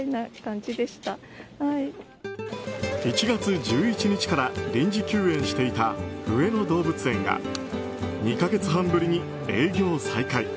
１月１１日から臨時休園していた上野動物園が２か月半ぶりに営業再開。